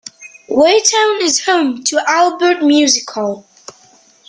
Waretown is home to Albert Music Hall.